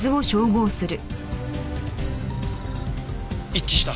一致した。